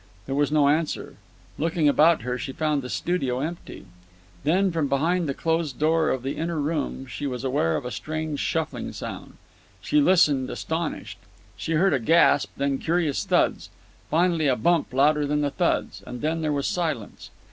There was no answer. Looking about her, she found the studio empty. Then, from behind the closed door of the inner room, she was aware of a strange, shuffling sound. She listened, astonished. She heard a gasp, then curious thuds, finally a bump louder than the thuds. And then there was silence.